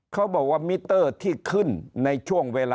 เขาบอกว่ามิเตอร์ที่ขึ้นในช่วงเวลา